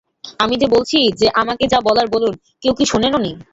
আমি যে বলছি যে আমাকে যা বলার বলুন, কেউ কি শোনেনওনি?